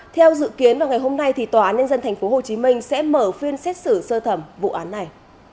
theo dự kiến vào ngày hôm nay tòa án nhân dân tp hcm sẽ mở phiên xét xử sơ thẩm vụ án này